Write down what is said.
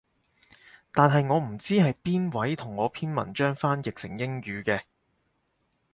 但係我唔知係邊位同我篇文章翻譯成英語嘅